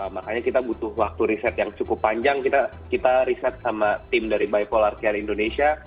makanya kita butuh waktu riset yang cukup panjang kita riset sama tim dari bipolar care indonesia